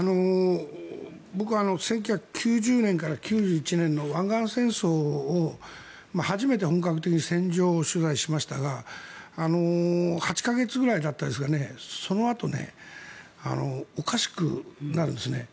僕１９９０年から９１年の湾岸戦争を初めて本格的に戦場取材しましたが８か月ぐらいだったんですがそのあとおかしくなるんですね。